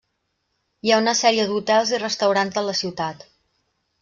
Hi ha una sèrie d'hotels i restaurants de la ciutat.